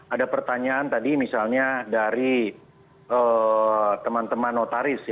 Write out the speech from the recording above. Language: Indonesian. ada pertanyaan tadi misalnya dari teman teman notaris